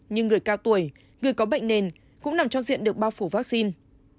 như người cao tuổi người có bệnh nền cũng nằm trong diện được bao phủ vaccine